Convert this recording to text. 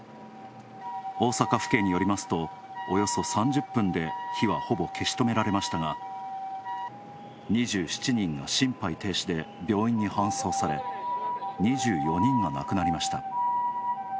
大阪府警によりますと、およそ３０分で火はほぼ消し止められましたが２７人が心肺停止で病院に搬送され２４人が亡くなりました。